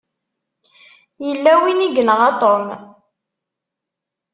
Yella win i yenɣa Tom.